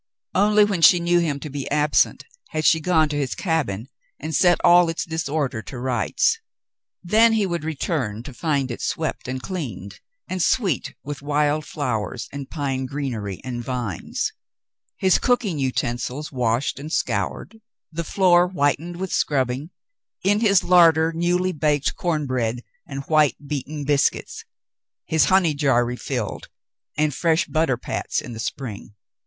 Only when she knew him to be absent had she gone to his cabin and set all its disorder to rights. Then he would return to find it swept and cleaned, and sweet with wild flowers and pine greenery and vines, his cooking utensils washed and scoured, the floor whitened with scrubbing, in his larder newly baked corn bread and white beaten biscuits, his honey jar refilled and fresh butter pats in the spring.